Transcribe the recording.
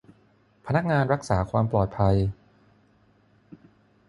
พนักงานรักษาความปลอดภัย